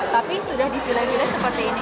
tapi sudah di filet filet seperti ini